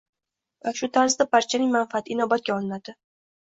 va shu tarzda barchaning manfaati inobatga olinadi.